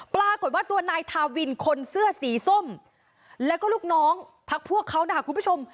ปรากฏว่าตัวนายทาวินคนเสื้อสีส้มแล้วก็ลูกน้องพักพวกเขานะคะคุณผู้ชม